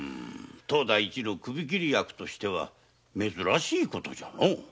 当代一の首切り役にしては珍しい事じゃのう。